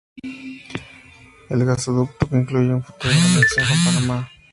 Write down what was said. El gasoducto incluye en un futuro una conexión con Panamá.